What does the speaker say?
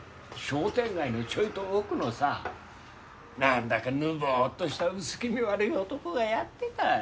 商店街のちょいと奥のさ何だかぬぼっとした薄気味悪い男がやってた。